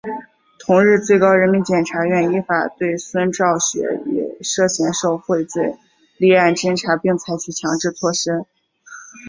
同日最高人民检察院依法对孙兆学以涉嫌受贿罪立案侦查并采取强制措施。